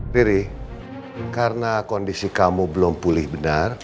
riri karena kondisi kamu belum pulih benar